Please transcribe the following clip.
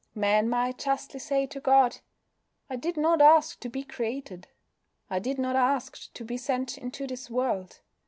Man might justly say to God: "I did not ask to be created. I did not ask to be sent into this world.